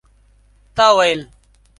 تا ويل